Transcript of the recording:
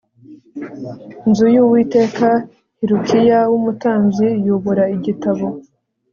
nzu y Uwiteka Hilukiya w umutambyi yubura igitabo